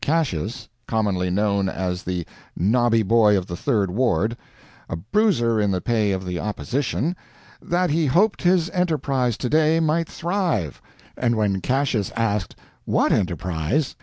Cassias (commonly known as the "Nobby Boy of the Third Ward"), a bruiser in the pay of the Opposition, that he hoped his enterprise to day might thrive; and when Cassias asked "What enterprise?"